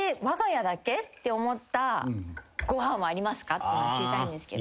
っていうの知りたいんですけど。